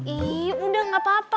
ih udah gapapa